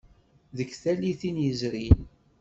Deg tallitin yezrin.